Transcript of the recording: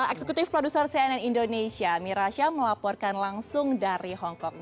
eksekutif produser cnn indonesia mirasya melaporkan langsung dari hongkong